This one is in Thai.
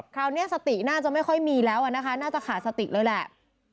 คราวนี้สติน่าจะไม่ค่อยมีแล้วนะคะน่าจะขาดสติเลยแหละ